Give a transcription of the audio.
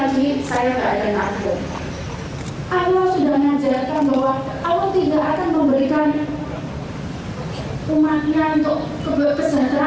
allah sudah mengajarkan bahwa allah tidak akan memberikan umatnya untuk kesenteraan kalau umat itu tidak mau bersalah